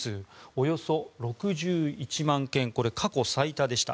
およそ６１万件これは過去最多でした。